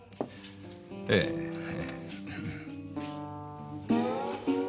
ええええ。